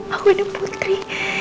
aku ini putri